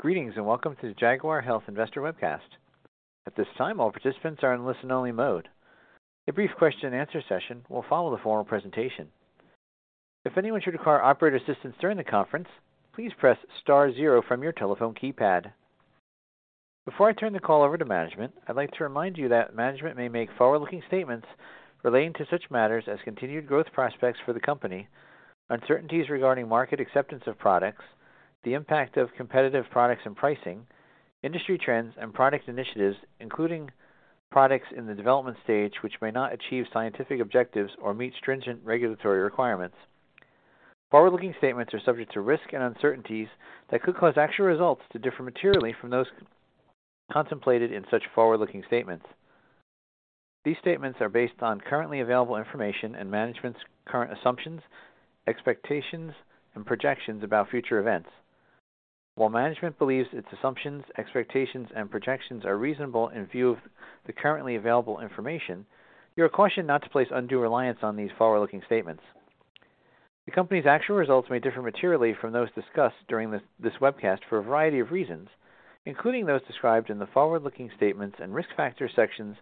Greetings, welcome to the Jaguar Health Investor Webcast. At this time, all participants are in listen-only mode. A brief question and answer session will follow the formal presentation. If anyone should require operator assistance during the conference, please press star zero from your telephone keypad. Before I turn the call over to management, I'd like to remind you that management may make forward-looking statements relating to such matters as continued growth prospects for the company, uncertainties regarding market acceptance of products, the impact of competitive products and pricing, industry trends and product initiatives, including products in the development stage which may not achieve scientific objectives or meet stringent regulatory requirements. Forward-looking statements are subject to risks and uncertainties that could cause actual results to differ materially from those contemplated in such forward-looking statements. These statements are based on currently available information and management's current assumptions, expectations, and projections about future events. While management believes its assumptions, expectations, and projections are reasonable in view of the currently available information, you are cautioned not to place undue reliance on these forward-looking statements. The company's actual results may differ materially from those discussed during this webcast for a variety of reasons, including those described in the forward-looking statements and risk factors sections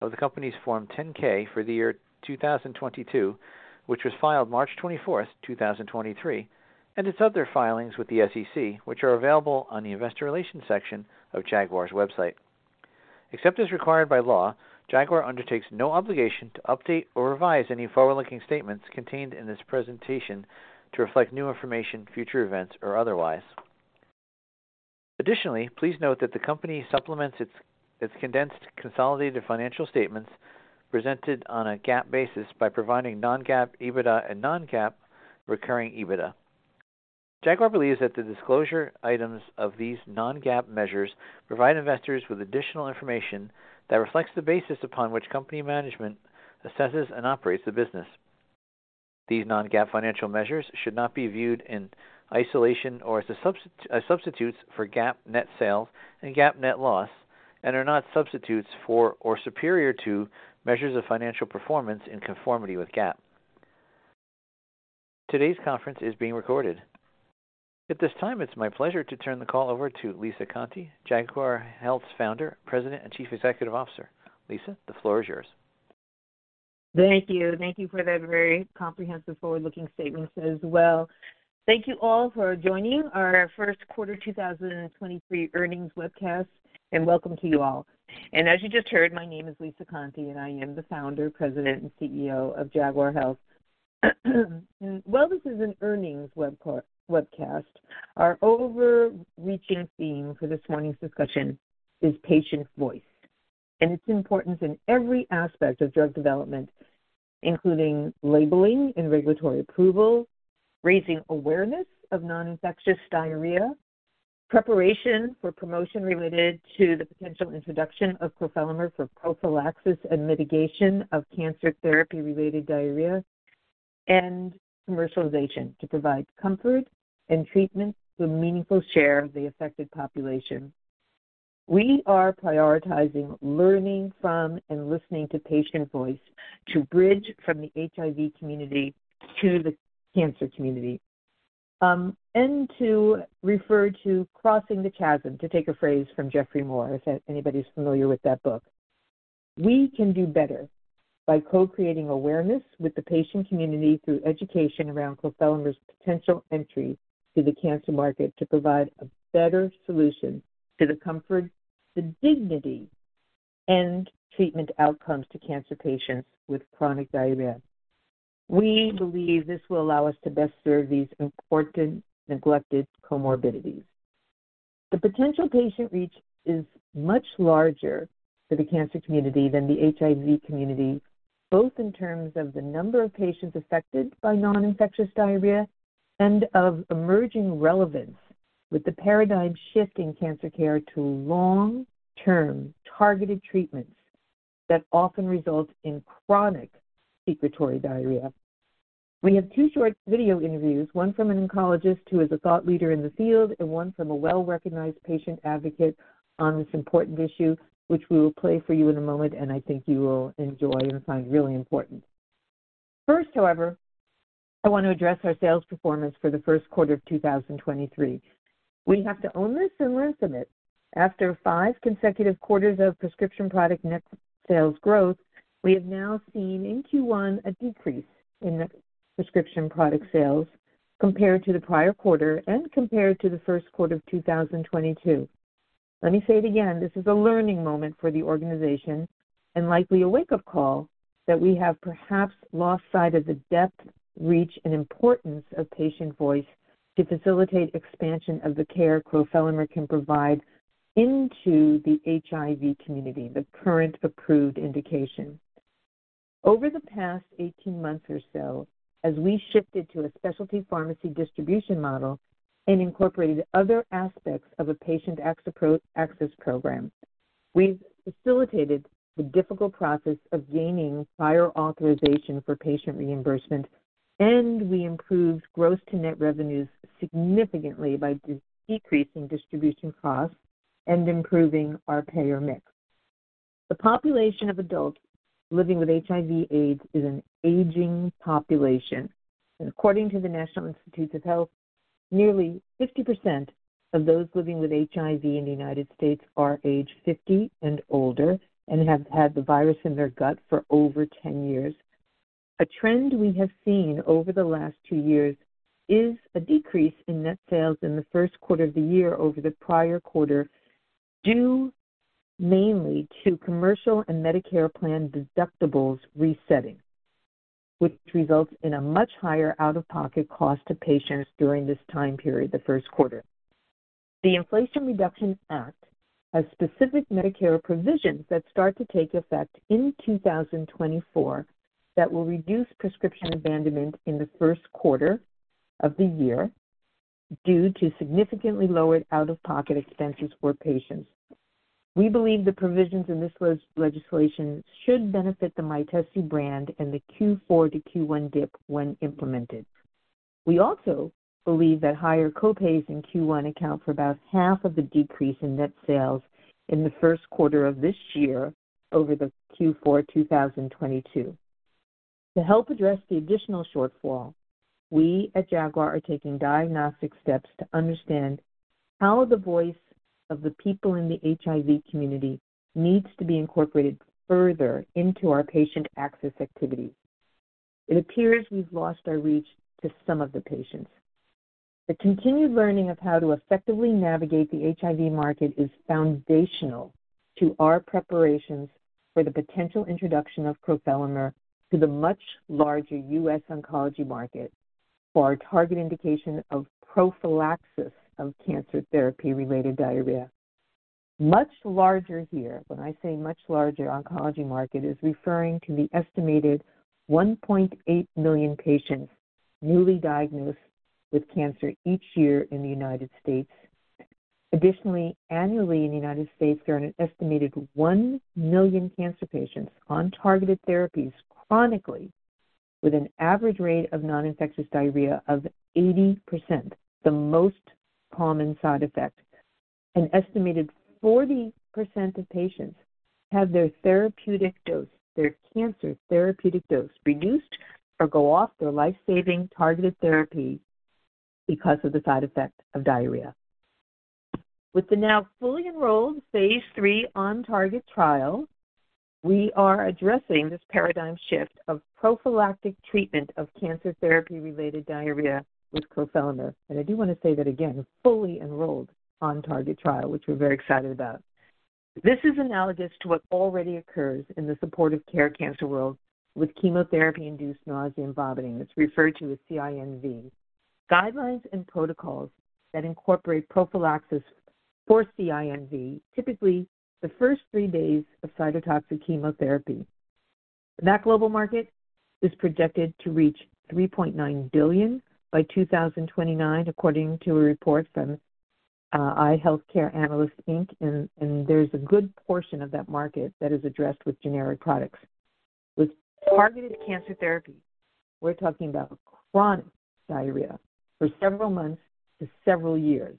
of the company's Form 10-K for the year 2022, which was filed March 24, 2023, and its other filings with the SEC, which are available on the investor relations section of Jaguar's website. Except as required by law, Jaguar undertakes no obligation to update or revise any forward-looking statements contained in this presentation to reflect new information, future events, or otherwise. Additionally, please note that the company supplements its condensed consolidated financial statements presented on a GAAP basis by providing non-GAAP EBITDA and non-GAAP recurring EBITDA. Jaguar believes that the disclosure items of these non-GAAP measures provide investors with additional information that reflects the basis upon which company management assesses and operates the business. These non-GAAP financial measures should not be viewed in isolation or as substitutes for GAAP net sales and GAAP net loss and are not substitutes for or superior to measures of financial performance in conformity with GAAP. Today's conference is being recorded. At this time, it's my pleasure to turn the call over to Lisa Conte, Jaguar Health's Founder, President, and Chief Executive Officer. Lisa, the floor is yours. Thank you. Thank you for that very comprehensive forward-looking statements as well. Thank you all for joining our first quarter 2023 earnings webcast. Welcome to you all. As you just heard, my name is Lisa Conte, and I am the founder, president, and CEO of Jaguar Health. While this is an earnings webcast, our overreaching theme for this morning's discussion is patient voice and its importance in every aspect of drug development, including labeling and regulatory approval, raising awareness of non-infectious diarrhea, preparation for promotion related to the potential introduction of crofelemer for prophylaxis and mitigation of cancer therapy-related diarrhea, and commercialization to provide comfort and treatment to a meaningful share of the affected population. We are prioritizing learning from and listening to patient voice to bridge from the HIV community to the cancer community, and to refer to crossing the chasm, to take a phrase from Geoffrey Moore, if anybody's familiar with that book. We can do better by co-creating awareness with the patient community through education around crofelemer's potential entry to the cancer market to provide a better solution to the comfort, the dignity, and treatment outcomes to cancer patients with chronic diarrhea. We believe this will allow us to best serve these important neglected comorbidities. The potential patient reach is much larger for the cancer community than the HIV community, both in terms of the number of patients affected by non-infectious diarrhea and of emerging relevance with the paradigm shift in cancer care to long-term targeted treatments that often result in chronic secretory diarrhea. We have two short video interviews, one from an oncologist who is a thought leader in the field and one from a well-recognized patient advocate on this important issue, which we will play for you in a moment, and I think you will enjoy and find really important. First, however, I want to address our sales performance for the first quarter of 2023. We have to own this and learn from it. After five consecutive quarters of prescription product net sales growth, we have now seen in Q1 a decrease in prescription product sales compared to the prior quarter and compared to the first quarter of 2022. Let me say it again. This is a learning moment for the organization and likely a wake-up call that we have perhaps lost sight of the depth, reach, and importance of patient voice to facilitate expansion of the care crofelemer can provide into the HIV community, the current approved indication. Over the past 18 months or so, as we shifted to a specialty pharmacy distribution model and incorporated other aspects of a patient access program, we've facilitated the difficult process of gaining prior authorization for patient reimbursement, and we improved gross to net revenues significantly by decreasing distribution costs and improving our payer mix. The population of adults living with HIV/AIDS is an aging population. According to the National Institutes of Health, nearly 50% of those living with HIV in the U.S. are age 50 and older and have had the virus in their gut for over 10 years. A trend we have seen over the last 2 years is a decrease in net sales in the first quarter of the year over the prior quarter, due mainly to commercial and Medicare plan deductibles resetting, which results in a much higher out-of-pocket cost to patients during this time period, the first quarter. The Inflation Reduction Act has specific Medicare provisions that start to take effect in 2024 that will reduce prescription abandonment in the first quarter of the year due to significantly lowered out-of-pocket expenses for patients. We believe the provisions in this legislation should benefit the Mytesi brand and the Q4 to Q1 dip when implemented. We also believe that higher co-pays in Q1 account for about half of the decrease in net sales in the first quarter of this year over the Q4 2022. To help address the additional shortfall, we at Jaguar are taking diagnostic steps to understand how the voice of the people in the HIV community needs to be incorporated further into our patient access activities. It appears we've lost our reach to some of the patients. The continued learning of how to effectively navigate the HIV market is foundational to our preparations for the potential introduction of crofelemer to the much larger U.S. oncology market for our target indication of prophylaxis of cancer therapy-related diarrhea. Much larger here, when I say much larger oncology market, is referring to the estimated 1.8 million patients newly diagnosed with cancer each year in the U.S. Additionally, annually in the U.S., there are an estimated 1 million cancer patients on targeted therapies chronically with an average rate of non-infectious diarrhea of 80%, the most common side effect. An estimated 40% of patients have their therapeutic dose, their cancer therapeutic dose, reduced or go off their life-saving targeted therapy because of the side effect of diarrhea. With the now fully enrolled phase III OnTarget trial, we are addressing this paradigm shift of prophylactic treatment of cancer therapy-related diarrhea with crofelemer. I do want to say that again, fully enrolled OnTarget trial, which we're very excited about. This is analogous to what already occurs in the supportive care cancer world with chemotherapy-induced nausea and vomiting. It's referred to as CINV. Guidelines and protocols that incorporate prophylaxis for CINV, typically the first 3 days of cytotoxic chemotherapy. That global market is projected to reach $3.9 billion by 2029, according to a report from iHealthcareAnalyst, Inc. There's a good portion of that market that is addressed with generic products. With targeted cancer therapy, we're talking about chronic diarrhea for several months to several years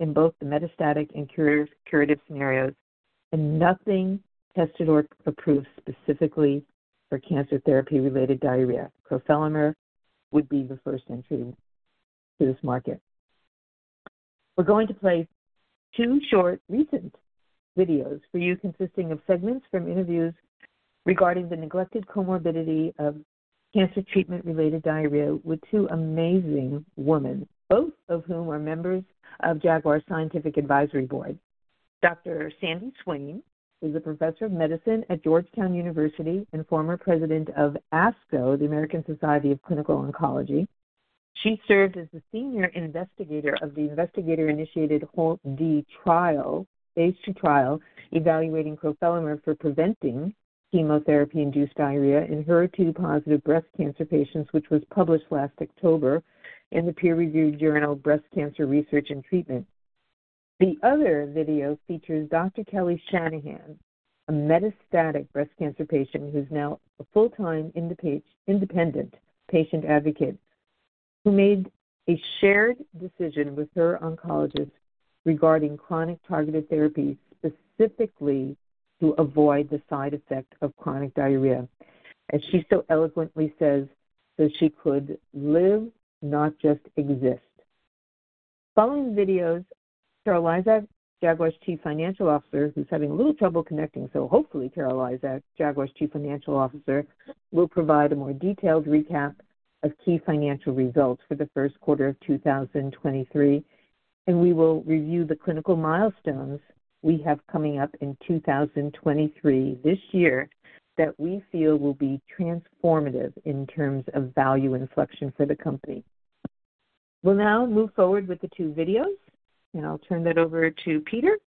in both the metastatic and curative scenarios, nothing tested or approved specifically for cancer therapy-related diarrhea. Crofelemer would be the first entry to this market. We're going to play two short recent videos for you consisting of segments from interviews regarding the neglected comorbidity of cancer treatment-related diarrhea with two amazing women, both of whom are members of Jaguar's Scientific Advisory Board. Dr. Sandra Swain, who's a Professor of Medicine at Georgetown University and former President of ASCO, the American Society of Clinical Oncology. She served as the senior investigator of the investigator-initiated HALT-D trial, phase 2 trial, evaluating crofelemer for preventing chemotherapy-induced diarrhea in HER2 positive breast cancer patients, which was published last October in the peer-reviewed journal Breast Cancer Research and Treatment. The other video features Dr. Kelly Shanahan, a metastatic breast cancer patient who's now a full-time independent patient advocate who made a shared decision with her oncologist regarding chronic targeted therapy specifically to avoid the side effect of chronic diarrhea. As she so eloquently says, so she could live, not just exist. Following the videos, Carol Lizak, Jaguar Health's Chief Financial Officer, who's having a little trouble connecting, so hopefully Carol Lizak, Jaguar Health's Chief Financial Officer, will provide a more detailed recap of key financial results for the first quarter of 2023, and we will review the clinical milestones we have coming up in 2023 this year that we feel will be transformative in terms of value inflection for the company. We'll now move forward with the two videos, and I'll turn it over to Peter.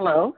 Hello?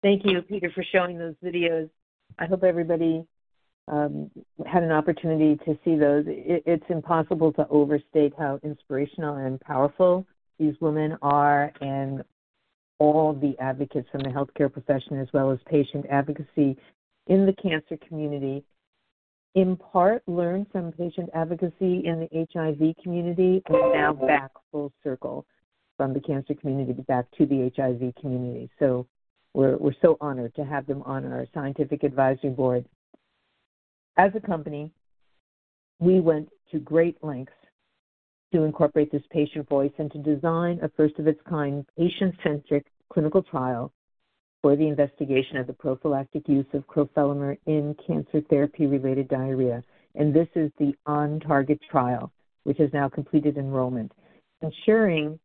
Thank you, Peter, for showing those videos. I hope everybody had an opportunity to see those. It's impossible to overstate how inspirational and powerful these women are and all the advocates from the healthcare profession as well as patient advocacy in the cancer community, in part learned from patient advocacy in the HIV community and now back full circle from the cancer community back to the HIV community. We're so honored to have them on our scientific advisory board. As a company, we went to great lengths to incorporate this patient voice and to design a first of its kind patient-centric clinical trial for the investigation of the prophylactic use of crofelemer in cancer therapy-related diarrhea. This is the OnTarget trial, which has now completed enrollment, ensuring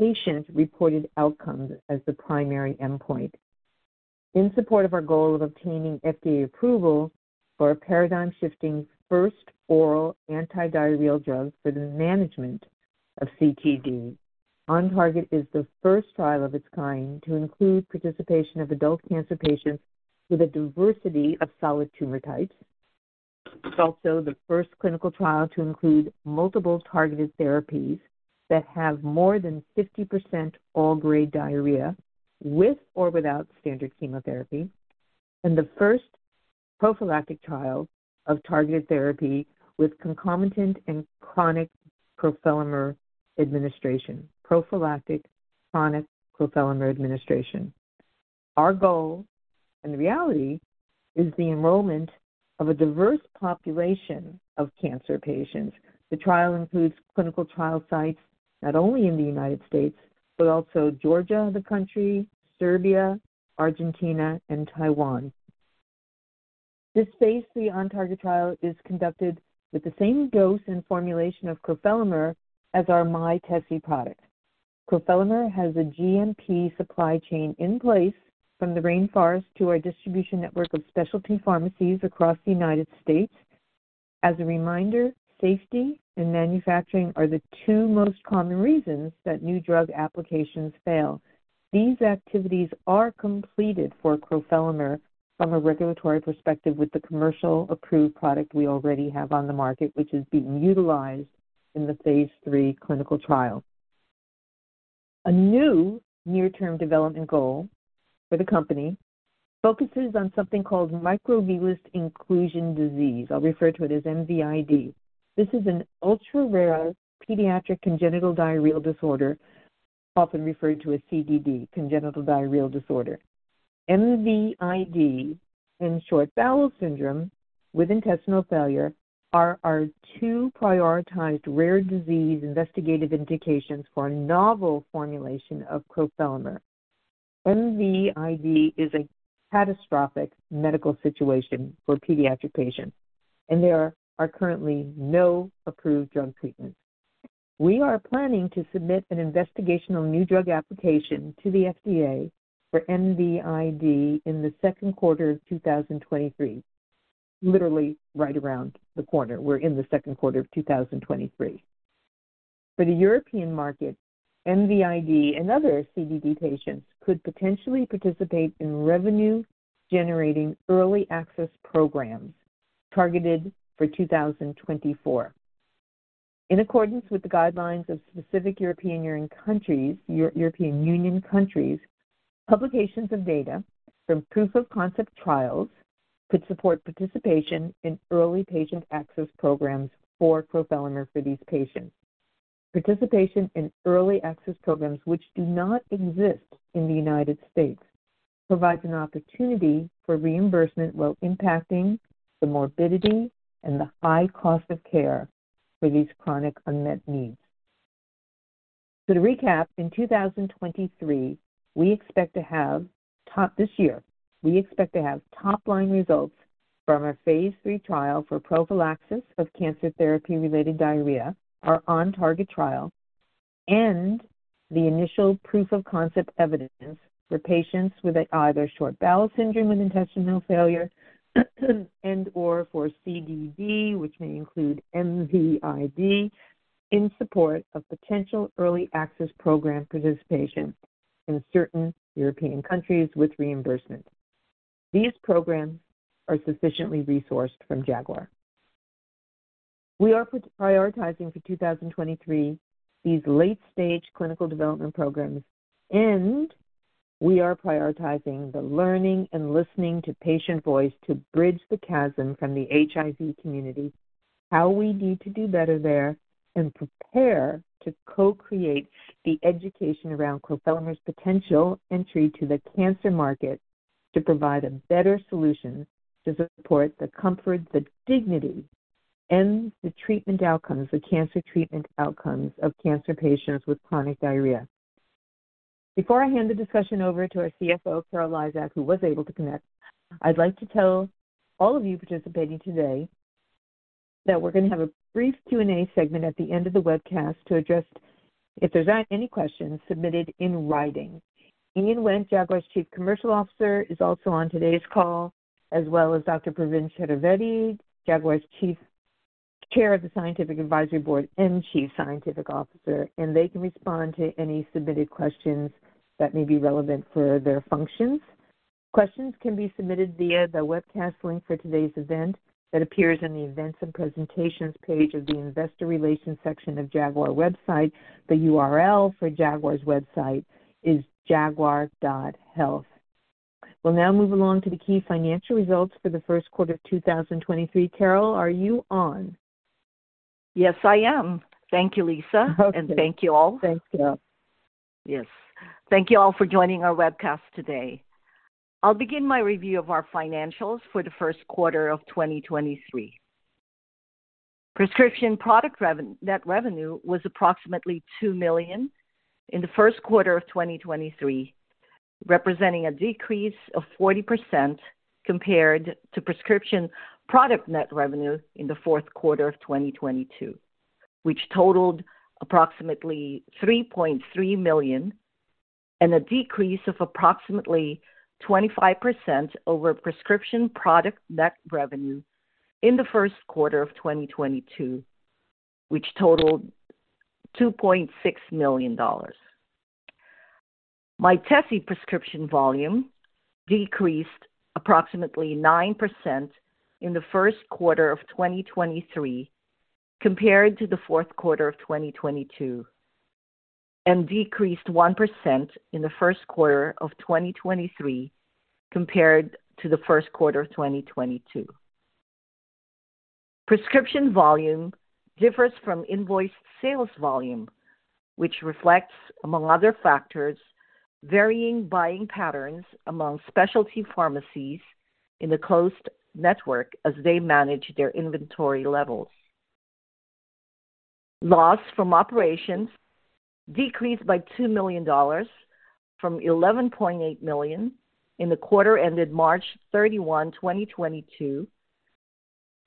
patient-reported outcomes as the primary endpoint. In support of our goal of obtaining FDA approval for a paradigm-shifting first oral antidiarrheal drug for the management of CTD, OnTarget is the first trial of its kind to include participation of adult cancer patients with a diversity of solid tumor types. It's also the first clinical trial to include multiple targeted therapies that have more than 50% all grade diarrhea with or without standard chemotherapy. The first prophylactic trial of targeted therapy with concomitant and chronic crofelemer administration. Prophylactic chronic crofelemer administration. Our goal in reality is the enrollment of a diverse population of cancer patients. The trial includes clinical trial sites not only in the United States, but also Georgia, the country, Serbia, Argentina, and Taiwan. This phase III OnTarget trial is conducted with the same dose and formulation of crofelemer as our Mytesi product. Crofelemer has a GMP supply chain in place from the rainforest to our distribution network of specialty pharmacies across the United States. As a reminder, safety and manufacturing are the two most common reasons that new drug applications fail. These activities are completed for crofelemer from a regulatory perspective with the commercial approved product we already have on the market, which is being utilized in the phase 3 clinical trial. A new near-term development goal for the company focuses on something called microvillous inclusion disease. I'll refer to it as MVID. This is an ultra-rare pediatric congenital diarrheal disorder, often referred to as CDD, congenital diarrheal disorder. MVID and short bowel syndrome with intestinal failure are our two prioritized rare disease investigative indications for a novel formulation of crofelemer. MVID is a catastrophic medical situation for pediatric patients, and there are currently no approved drug treatments. We are planning to submit an investigational new drug application to the FDA for MVID in the second quarter of 2023. Literally right around the corner. We're in the second quarter of 2023. For the European market, MVID and other CDD patients could potentially participate in revenue-generating early access programs targeted for 2024. In accordance with the guidelines of specific European Union countries, publications of data from proof-of-concept trials could support participation in early patient access programs for crofelemer for these patients. Participation in early access programs which do not exist in the United States provides an opportunity for reimbursement while impacting the morbidity and the high cost of care for these chronic unmet needs. To recap, in 2023, This year, we expect to have top-line results from our phase 3 trial for prophylaxis of cancer therapy-related diarrhea, our OnTarget trial, and the initial proof-of-concept evidence for patients with either short bowel syndrome with intestinal failure and/or for CDD, which may include MVID, in support of potential early access program participation in certain European countries with reimbursement. These programs are sufficiently resourced from Jaguar. We are prioritizing for 2023 these late-stage clinical development programs, and we are prioritizing the learning and listening to patient voice to bridge the chasm from the HIV community, how we need to do better there, and prepare to co-create the education around crofelemer's potential entry to the cancer market to provide a better solution to support the comfort, the dignity, and the treatment outcomes, the cancer treatment outcomes of cancer patients with chronic diarrhea. Before I hand the discussion over to our CFO, Carol Lizak, who was able to connect, I'd like to tell all of you participating today that we're gonna have a brief Q&A segment at the end of the webcast to address if there's any questions submitted in writing. Ian Wendt, Jaguar's Chief Commercial Officer, is also on today's call, as well as Dr. Pravin Chaturvedi, Jaguar's. Chair of the Scientific Advisory Board and Chief Scientific Officer, and they can respond to any submitted questions that may be relevant for their functions. Questions can be submitted via the webcast link for today's event that appears on the Events and Presentations page of the Investor Relations section of Jaguar Health website. The URL for Jaguar's website is jaguar.health. We'll now move along to the key financial results for the first quarter of 2023. Carol, are you on? Yes, I am. Thank you, Lisa. Okay. Thank you all. Thanks, Carol. Yes. Thank you all for joining our webcast today. I'll begin my review of our financials for the first quarter of 2023. Prescription product net revenue was approximately $2 million in the first quarter of 2023, representing a decrease of 40% compared to prescription product net revenue in the fourth quarter of 2022, which totaled approximately $3.3 million, and a decrease of approximately 25% over prescription product net revenue in the first quarter of 2022, which totaled $2.6 million. Mytesi prescription volume decreased approximately 9% in the first quarter of 2023 compared to the fourth quarter of 2022, and decreased 1% in the first quarter of 2023 compared to the first quarter of 2022. Prescription volume differs from invoiced sales volume, which reflects, among other factors, varying buying patterns among specialty pharmacies in the closed network as they manage their inventory levels. Loss from operations decreased by $2 million from $11.8 million in the quarter ended March 31, 2022,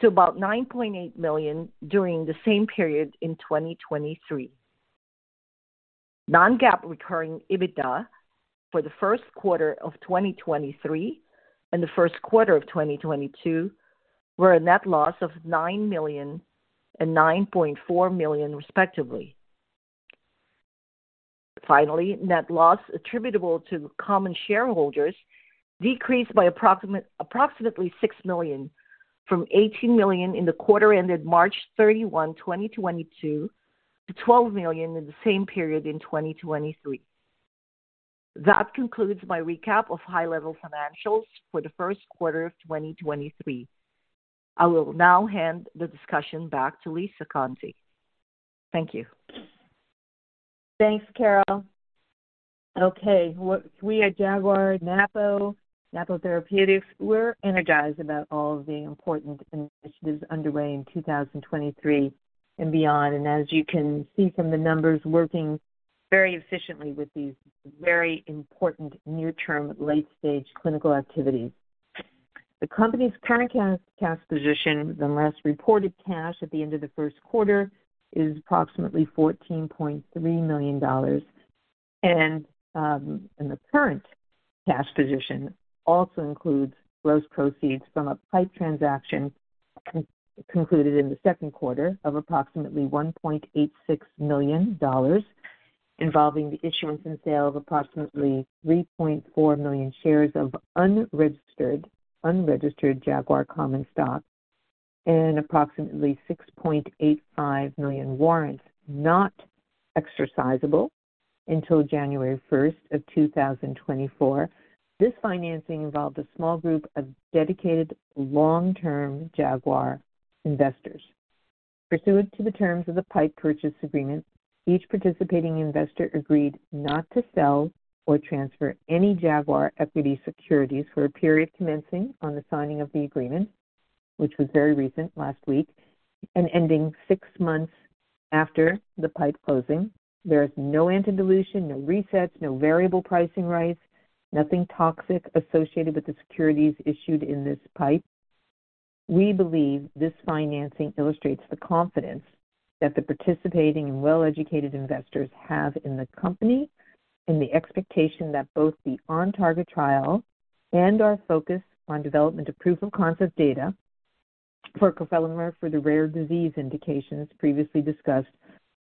to about $9.8 million during the same period in 2023. Non-GAAP recurring EBITDA for the first quarter of 2023 and the first quarter of 2022 were a net loss of $9 million and $9.4 million, respectively. Finally, net loss attributable to common shareholders decreased by approximately $6 million from $18 million in the quarter ended March 31, 2022, to $12 million in the same period in 2023. That concludes my recap of high-level financials for the first quarter of 2023. I will now hand the discussion back to Lisa Conte. Thank you. Thanks, Carol. Okay. We at Jaguar, Napo Therapeutics, we're energized about all the important initiatives underway in 2023 and beyond. As you can see from the numbers, working very efficiently with these very important near-term late-stage clinical activities. The company's current cash position, the last reported cash at the end of the first quarter is approximately $14.3 million. The current cash position also includes gross proceeds from a PIPE transaction concluded in the second quarter of approximately $1.86 million, involving the issuance and sale of approximately 3.4 million shares of unregistered Jaguar common stock and approximately 6.85 million warrants not exercisable until January 1st, 2024. This financing involved a small group of dedicated long-term Jaguar investors. Pursuant to the terms of the PIPE purchase agreement, each participating investor agreed not to sell or transfer any Jaguar equity securities for a period commencing on the signing of the agreement, which was very recent, last week, and ending 6 months after the PIPE closing. There is no anti-dilution, no resets, no variable pricing rights, nothing toxic associated with the securities issued in this PIPE. We believe this financing illustrates the confidence that the participating and well-educated investors have in the company and the expectation that both the OnTarget trial and our focus on development of proof-of-concept data for crofelemer for the rare disease indications previously discussed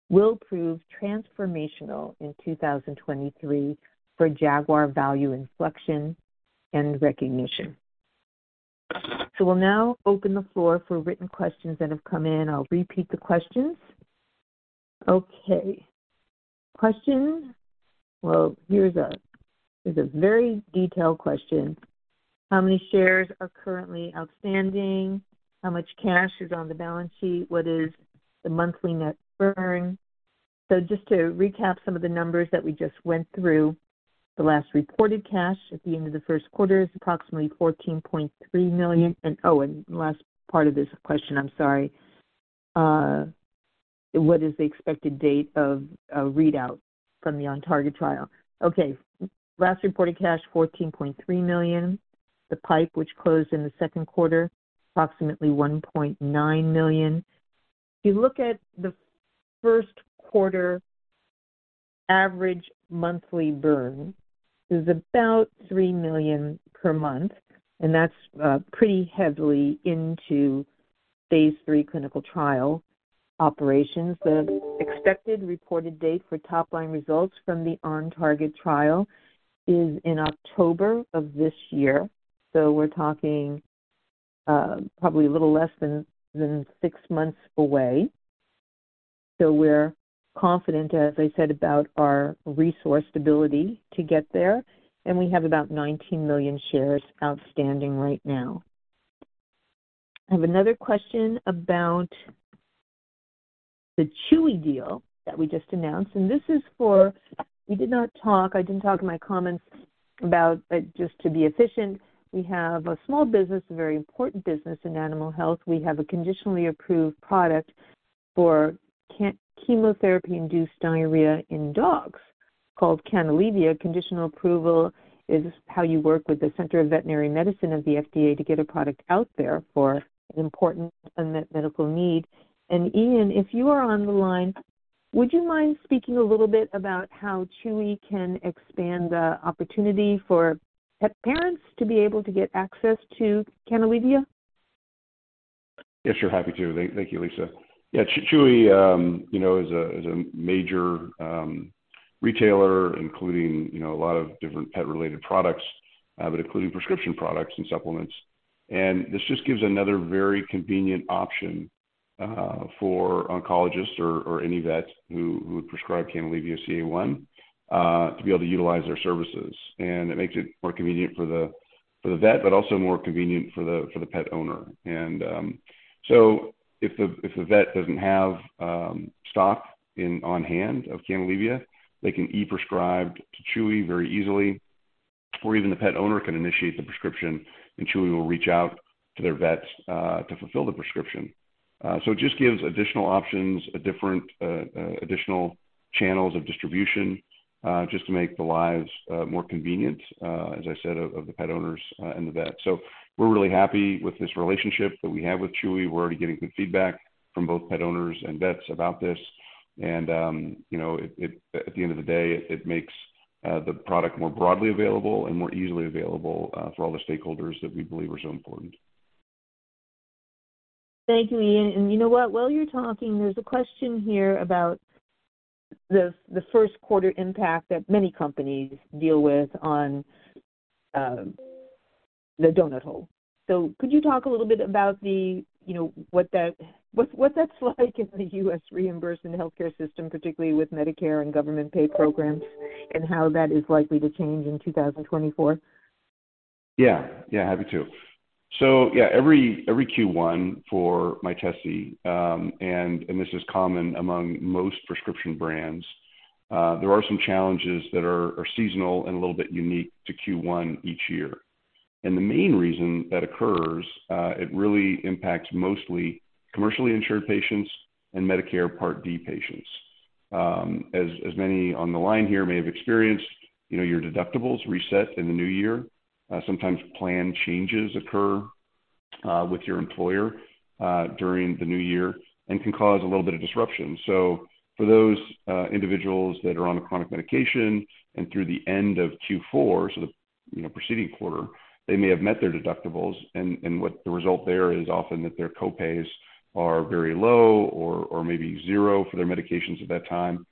will prove transformational in 2023 for Jaguar value inflection and recognition. We'll now open the floor for written questions that have come in. I'll repeat the questions. Okay. Question. Well, here's a very detailed question. How many shares are currently outstanding? How much cash is on the balance sheet? What is the monthly net burn? Just to recap some of the numbers that we just went through, the last reported cash at the end of the first quarter is approximately $14.3 million. Last part of this question. What is the expected date of a readout from the OnTarget trial? Last reported cash, $14.3 million. The PIPE, which closed in the second quarter, approximately $1.9 million. If you look at the first quarter average monthly burn is about $3 million per month, and that's pretty heavily into phase 3 clinical trial operations. The expected reported date for top-line results from the OnTarget trial is in October of this year. We're talking probably a little less than six months away. We're confident, as I said, about our resource stability to get there, and we have about 19 million shares outstanding right now. I have another question about the Chewy deal that we just announced. I didn't talk in my comments about, but just to be efficient, we have a small business, a very important business in animal health. We have a conditionally approved product for chemotherapy-induced diarrhea in dogs called Canalevia. Conditional approval is how you work with the Center for Veterinary Medicine of the FDA to get a product out there for an important unmet medical need. Ian, if you are on the line, would you mind speaking a little bit about how Chewy can expand the opportunity for pet parents to be able to get access to Canalevia? Yes, sure. Happy to. Thank you, Lisa. Yeah, Chewy, you know, is a major retailer, including, you know, a lot of different pet-related products, but including prescription products and supplements. This just gives another very convenient option for oncologists or any vet who would prescribe Canalevia-CA1 to be able to utilize their services. It makes it more convenient for the vet, but also more convenient for the pet owner. If the vet doesn't have stock on hand of Canalevia, they can e-prescribe to Chewy very easily, or even the pet owner can initiate the prescription, and Chewy will reach out to their vets to fulfill the prescription. It just gives additional options, a different additional channels of distribution, just to make the lives more convenient, as I said, of the pet owners and the vet. We're really happy with this relationship that we have with Chewy. We're already getting good feedback from both pet owners and vets about this. You know, at the end of the day, it makes the product more broadly available and more easily available for all the stakeholders that we believe are so important. Thank you, Ian. You know what? While you're talking, there's a question here about the first quarter impact that many companies deal with on the donut hole. Could you talk a little bit about the, you know, what that's like in the U.S. reimbursement healthcare system, particularly with Medicare and government-paid programs, and how that is likely to change in 2024? Yeah. Happy to. Every Q1 for Mytesi, and this is common among most prescription brands, there are some challenges that are seasonal and a little bit unique to Q1 each year. The main reason that occurs, it really impacts mostly commercially insured patients and Medicare Part D patients. As many on the line here may have experienced, you know, your deductibles reset in the new year, sometimes plan changes occur with your employer during the new year and can cause a little bit of disruption. For those individuals that are on a chronic medication and through the end of Q4, so the, you know, preceding quarter, they may have met their deductibles and what the result there is often that their co-pays are very low or maybe zero for their medications at that time.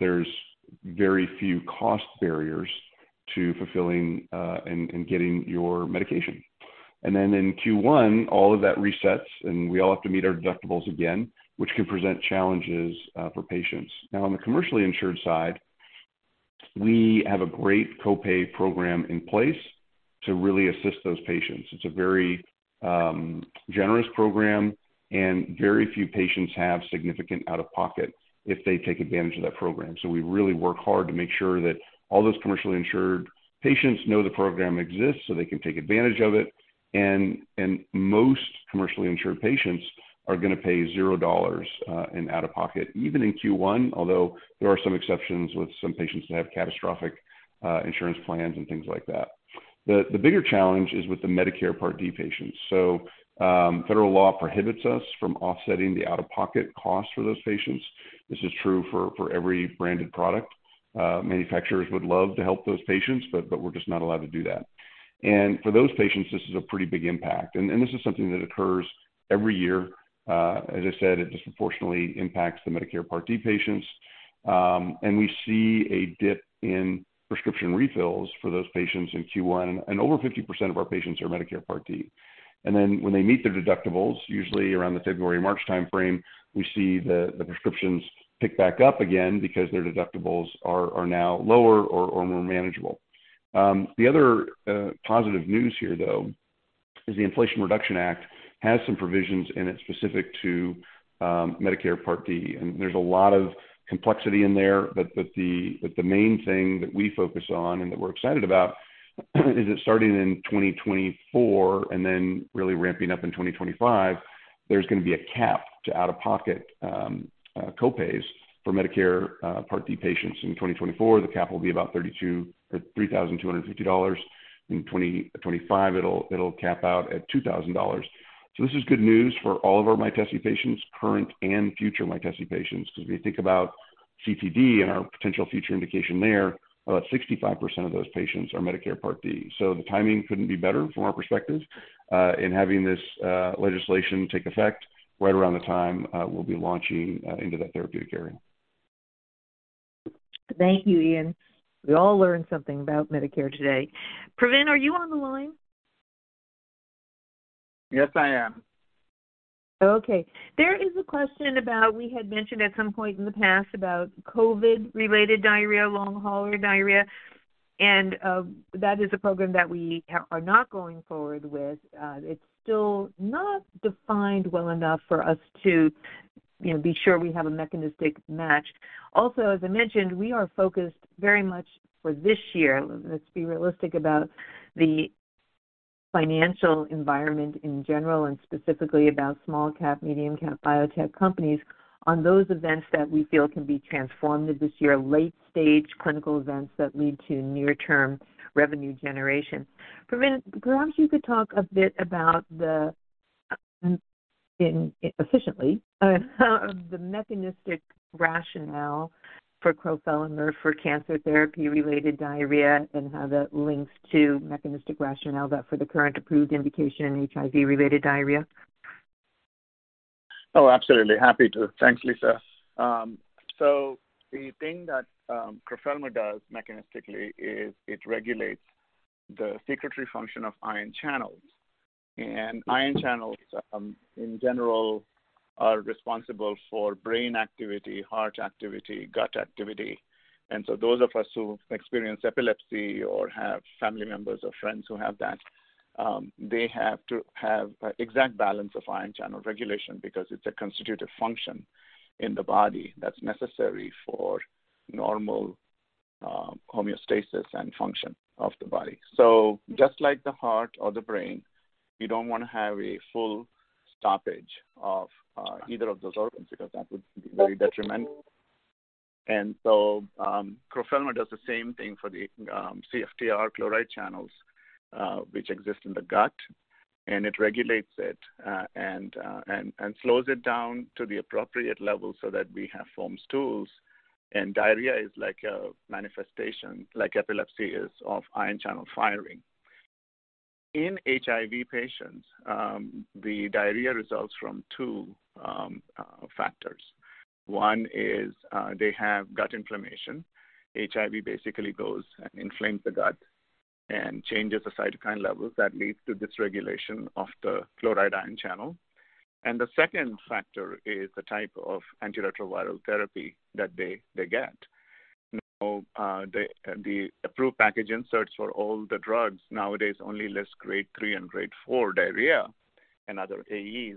There's very few cost barriers to fulfilling and getting your medication. In Q1, all of that resets, and we all have to meet our deductibles again, which can present challenges for patients. On the commercially insured side, we have a great co-pay program in place to really assist those patients. It's a very generous program, and very few patients have significant out-of-pocket if they take advantage of that program. We really work hard to make sure that all those commercially insured patients know the program exists so they can take advantage of it. Most commercially insured patients are gonna pay $0 in out-of-pocket, even in Q1, although there are some exceptions with some patients that have catastrophic insurance plans and things like that. The bigger challenge is with the Medicare Part D patients. Federal law prohibits us from offsetting the out-of-pocket costs for those patients. This is true for every branded product. Manufacturers would love to help those patients, but we're just not allowed to do that. For those patients, this is a pretty big impact. This is something that occurs every year. As I said, it disproportionately impacts the Medicare Part D patients. We see a dip in prescription refills for those patients in Q1, and over 50% of our patients are Medicare Part D. When they meet their deductibles, usually around the February-March timeframe, we see the prescriptions pick back up again because their deductibles are now lower or more manageable. The other positive news here, though, is the Inflation Reduction Act has some provisions in it specific to Medicare Part D. There's a lot of complexity in there, but the main thing that we focus on and that we're excited about is that starting in 2024 and then really ramping up in 2025, there's gonna be a cap to out-of-pocket co-pays for Medicare Part D patients. In 2024, the cap will be about $3,250. In 2025, it'll cap out at $2,000. This is good news for all of our Mytesi patients, current and future Mytesi patients, 'cause we think about CTD and our potential future indication there. About 65% of those patients are Medicare Part D. The timing couldn't be better from our perspective, in having this legislation take effect right around the time we'll be launching into that therapeutic area. Thank you, Ian. We all learned something about Medicare today. Pravin, are you on the line? Yes, I am. Okay. There is a question we had mentioned at some point in the past about COVID-related diarrhea, long-hauler diarrhea. That is a program that we are not going forward with. It's still not defined well enough for us to, you know, be sure we have a mechanistic match. Also, as I mentioned, we are focused very much for this year. Let's be realistic about the financial environment in general and specifically about small cap, medium cap biotech companies on those events that we feel can be transformative this year, late-stage clinical events that lead to near-term revenue generation. Pravin, perhaps you could talk a bit about the inefficiently the mechanistic rationale for crofelemer for cancer therapy-related diarrhea and how that links to mechanistic rationale that for the current approved indication in HIV-related diarrhea. Oh, absolutely. Happy to. Thanks, Lisa. The thing that crofelemer does mechanistically is it regulates the secretory function of ion channels. Ion channels, in general, are responsible for brain activity, heart activity, gut activity. Those of us who experience epilepsy or have family members or friends who have that, they have to have an exact balance of ion channel regulation because it's a constitutive function in the body that's necessary for normal homeostasis and function of the body. Just like the heart or the brain, you don't wanna have a full stoppage of either of those organs because that would be very detrimental. crofelemer does the same thing for the CFTR chloride channels, which exist in the gut, and it regulates it and slows it down to the appropriate level so that we have formed stools. Diarrhea is like a manifestation, like epilepsy is, of ion channel firing. In HIV patients, the diarrhea results from two factors. one is, they have gut inflammation. HIV basically goes and inflames the gut and changes the cytokine levels that leads to dysregulation of the chloride ion channel. The second factor is the type of antiretroviral therapy that they get. You know, the approved package insert for all the drugs nowadays only lists grade three and grade four diarrhea and other AEs,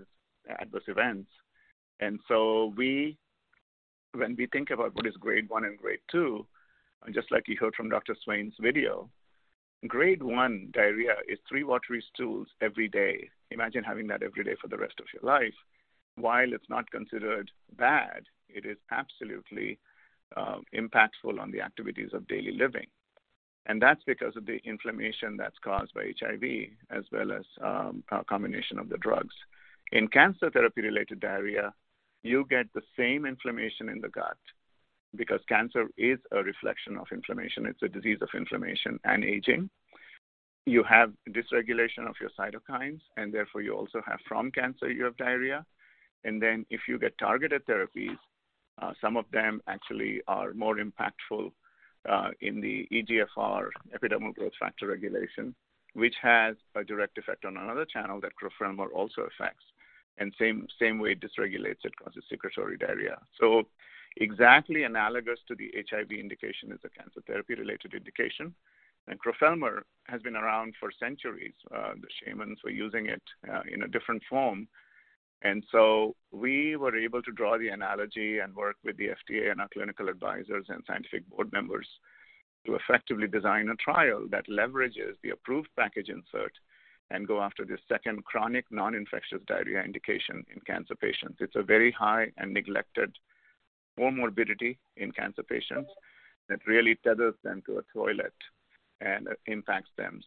adverse events. When we think about what is grade one and grade two, and just like you heard from Dr. Swain's video, grade one diarrhea is three watery stools every day. Imagine having that every day for the rest of your life. While it's not considered bad, it is absolutely impactful on the activities of daily living. That's because of the inflammation that's caused by HIV as well as a combination of the drugs. In cancer therapy-related diarrhea, you get the same inflammation in the gut because cancer is a reflection of inflammation. It's a disease of inflammation and aging. You have dysregulation of your cytokines, and therefore you also have, from cancer, you have diarrhea. If you get targeted therapies, some of them actually are more impactful in the EGFR, epidermal growth factor regulation, which has a direct effect on another channel that crofelemer also affects. Same way it dysregulates, it causes secretory diarrhea. Exactly analogous to the HIV indication is the cancer therapy-related indication. Crofelemer has been around for centuries. The shamans were using it in a different form. We were able to draw the analogy and work with the FDA and our clinical advisors and scientific board members to effectively design a trial that leverages the approved package insert and go after the second chronic non-infectious diarrhea indication in cancer patients. It's a very high and neglected comorbidity in cancer patients that really tethers them to a toilet and impacts them.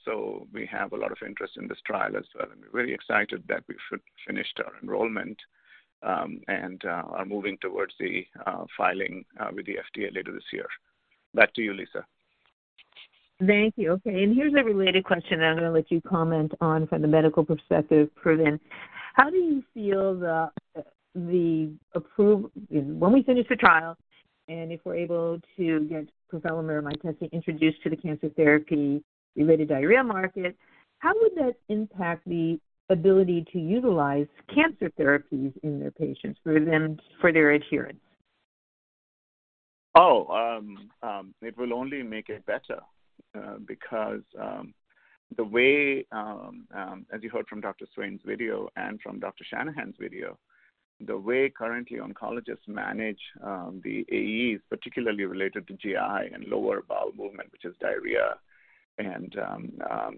We have a lot of interest in this trial as well, and we're very excited that we've finished our enrollment, and are moving towards the filing with the FDA later this year. Back to you, Lisa. Thank you. Okay, here's a related question that I'm going to let you comment on from the medical perspective, Pravin. How do you feel When we finish the trial, and if we're able to get crofelemer or Mytesi introduced to the cancer therapy-related diarrhea market, how would that impact the ability to utilize cancer therapies in their patients for them, for their adherence? It will only make it better, because the way as you heard from Dr. Swain's video and from Dr. Shanahan's video, the way currently oncologists manage the AEs, particularly related to GI and lower bowel movement, which is diarrhea,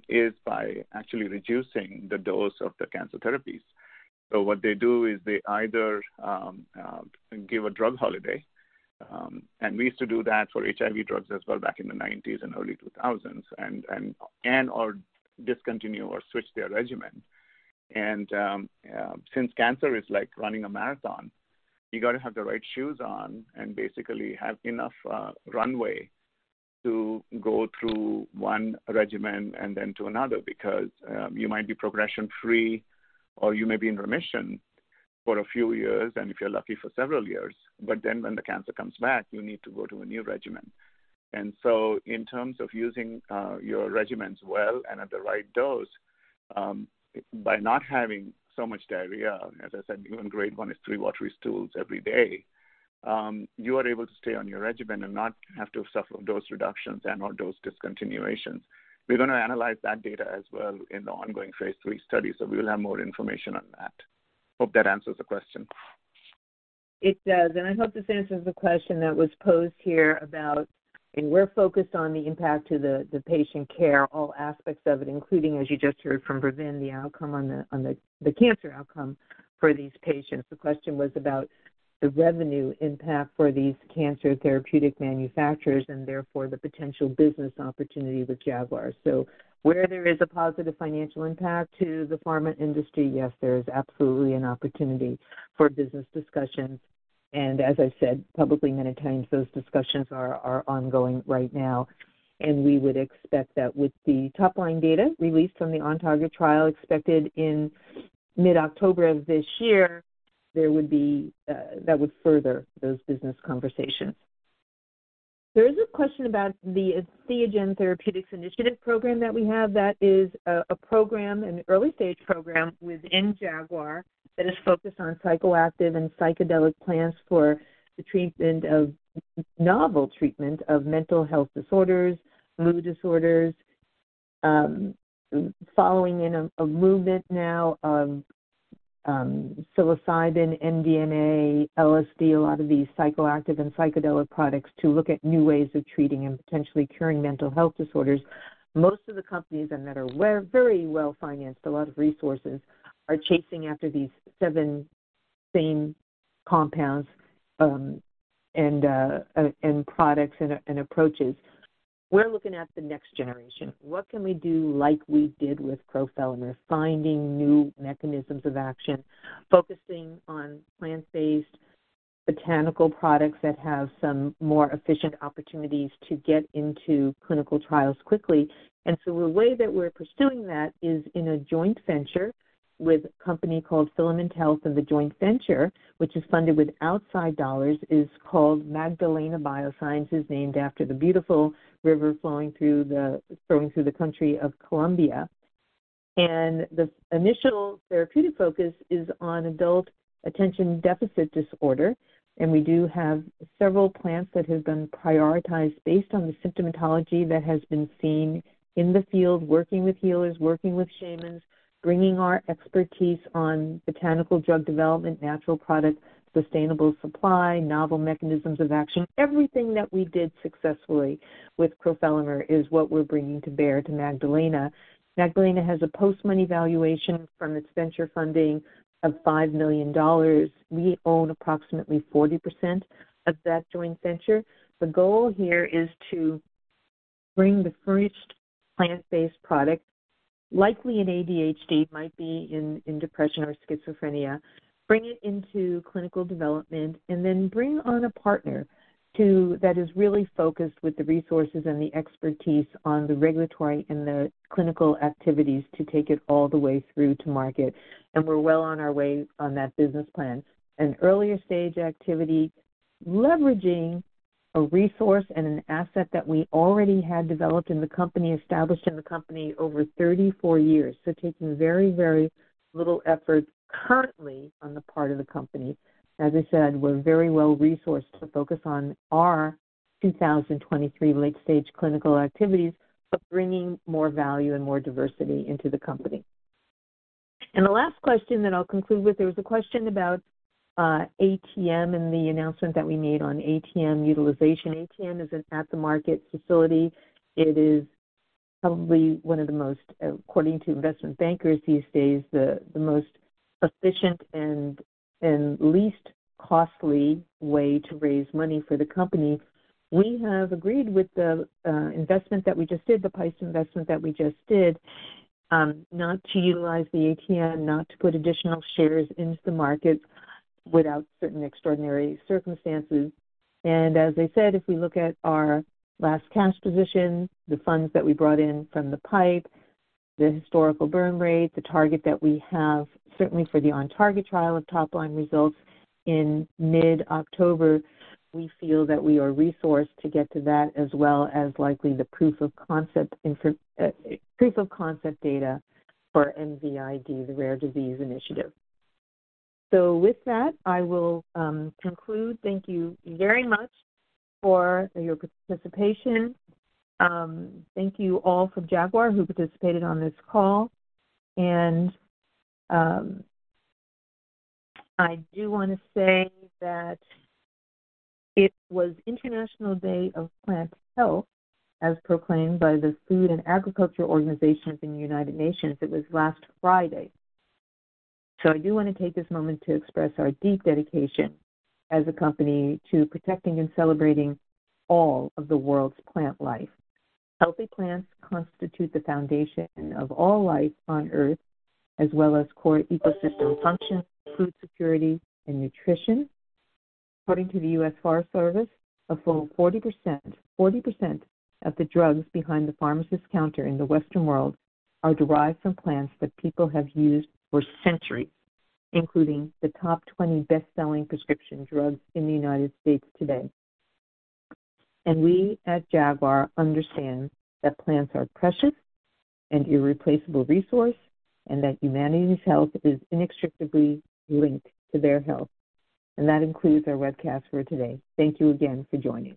is by actually reducing the dose of the cancer therapies. What they do is they either give a drug holiday, and we used to do that for HIV drugs as well back in the 1990s and early 2000s and/or discontinue or switch their regimen. Since cancer is like running a marathon, you gotta have the right shoes on and basically have enough runway to go through one regimen and then to another. You might be progression free, or you may be in remission for a few years, and if you're lucky, for several years. When the cancer comes back, you need to go to a new regimen. In terms of using your regimens well and at the right dose, by not having so much diarrhea, as I said, even grade one is three watery stools every day, you are able to stay on your regimen and not have to suffer dose reductions and/or dose discontinuations. We're gonna analyze that data as well in the ongoing phase three study. We will have more information on that. Hope that answers the question. It does. I hope this answers the question that was posed here about we're focused on the impact to the patient care, all aspects of it, including, as you just heard from Pravin, the outcome on the cancer outcome for these patients. The question was about the revenue impact for these cancer therapeutic manufacturers and therefore the potential business opportunity with Jaguar. Where there is a positive financial impact to the pharma industry, yes, there is absolutely an opportunity for business discussions. As I said publicly many times, those discussions are ongoing right now. We would expect that with the top-line data released from the OnTarget trial expected in mid-October of this year, there would be that would further those business conversations. There is a question about the Entheogen Therapeutics Initiative program that we have. That is a program, an early-stage program within Jaguar that is focused on psychoactive and psychedelic plans for the novel treatment of mental health disorders, mood disorders, following in a movement now, psilocybin, MDMA, LSD, a lot of these psychoactive and psychedelic products to look at new ways of treating and potentially curing mental health disorders. Most of the companies, and that are well, very well-financed, a lot of resources, are chasing after these seven same compounds, and products and approaches. We're looking at the next generation. What can we do like we did with crofelemer? Finding new mechanisms of action, focusing on plant-based botanical products that have some more efficient opportunities to get into clinical trials quickly. The way that we're pursuing that is in a joint venture with a company called Filament Health. The joint venture, which is funded with outside dollars, is called Magdalena Biosciences, named after the beautiful river flowing through the country of Colombia. The initial therapeutic focus is on adult ADHD. We do have several plants that have been prioritized based on the symptomatology that has been seen in the field, working with healers, working with shamans, bringing our expertise on botanical drug development, natural products, sustainable supply, novel mechanisms of action. Everything that we did successfully with crofelemer is what we're bringing to bear to Magdalena. Magdalena has a post-money valuation from its venture funding of $5 million. We own approximately 40% of that joint venture. The goal here is to bring the first plant-based product, likely in ADHD, might be in depression or schizophrenia, bring it into clinical development and then bring on a partner that is really focused with the resources and the expertise on the regulatory and the clinical activities to take it all the way through to market. We're well on our way on that business plan. An earlier stage activity, leveraging a resource and an asset that we already had developed in the company, established in the company over 34 years. Taking very, very little effort currently on the part of the company. As I said, we're very well-resourced to focus on our 2023 late-stage clinical activities, but bringing more value and more diversity into the company. The last question that I'll conclude with, there was a question about ATM and the announcement that we made on ATM utilization. ATM is an at-the-market facility. It is probably one of the most, according to investment bankers these days, the most efficient and least costly way to raise money for the company. We have agreed with the investment that we just did, the price investment that we just did, not to utilize the ATM. Not to put additional shares into the market without certain extraordinary circumstances. As I said, if we look at our last cash position, the funds that we brought in from the PIPE, the historical burn rate, the target that we have, certainly for the OnTarget trial of top-line results in mid-October, we feel that we are resourced to get to that as well as likely the proof-of-concept and proof-of-concept data for MVID, the rare disease initiative. With that, I will conclude. Thank you very much for your participation. Thank you all from Jaguar who participated on this call. I do wanna say that it was International Day of Plant Health, as proclaimed by the Food and Agriculture Organization in the United Nations. It was last Friday. I do want to take this moment to express our deep dedication as a company to protecting and celebrating all of the world's plant life. Healthy plants constitute the foundation of all life on Earth, as well as core ecosystem function, food security, and nutrition. According to the U.S. Forest Service, a full 40% of the drugs behind the pharmacist counter in the Western world are derived from plants that people have used for centuries, including the top 20 best-selling prescription drugs in the U.S. today. We at Jaguar understand that plants are precious and irreplaceable resource, and that humanity's health is inextricably linked to their health. That concludes our webcast for today. Thank you again for joining.